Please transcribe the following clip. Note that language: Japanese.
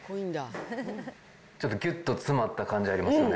ちょっとぎゅっと詰まった感じありますよね。